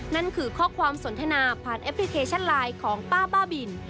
นั่นคือข้อความสนทนาผ่านแอปพลิเคชันไลน์ของป้าบ้าบิน